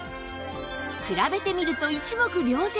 比べてみると一目瞭然